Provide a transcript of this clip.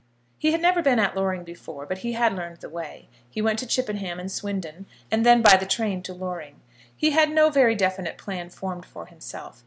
He had never been at Loring before, but he had learned the way. He went to Chippenham and Swindon, and then by the train to Loring. He had no very definite plan formed for himself.